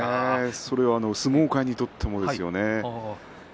それは相撲界にとってもですよね。